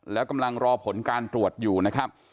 แล้วกำลังรอผลการตรวจอยู่นะครับ